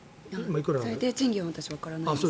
最低賃金は私、わからないですが。